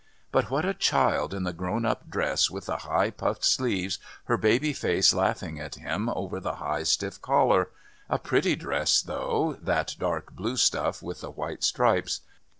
But what a child in the grown up dress with the high puffed sleeves, her baby face laughing at him over the high stiff collar; a pretty dress, though, that dark blue stuff with the white stripes....